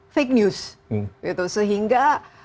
fake news sehingga